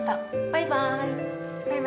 バイバーイ。